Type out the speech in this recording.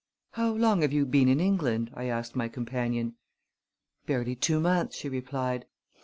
"How long have you been in England?" I asked my companion. "Barely two months," she replied.